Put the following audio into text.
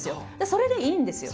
それでいいんですよ。